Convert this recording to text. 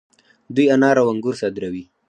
دوی انار او انګور صادروي.